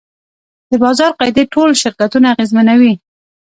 د بازار قاعدې ټول شرکتونه اغېزمنوي.